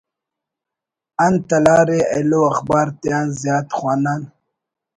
انت ”تلار“ ءِ ایلو اخبار تیان زیات خوانان